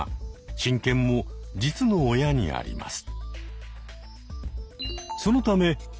親権も実の親にあります。